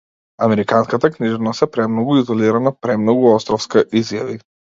Американската книжевност е премногу изолирана, премногу островска, изјави.